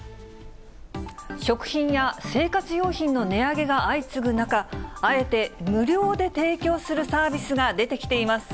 食品や生活用品の値上げが相次ぐ中、あえて無料で提供するサービスが出てきています。